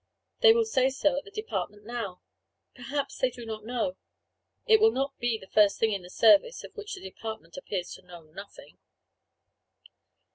They will say so at the Department now! Perhaps they do not know. It will not be the first thing in the service of which the Department appears to know nothing!